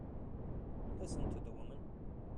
Listen to the woman!